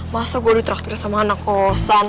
masa gue di traktir sama anak kosan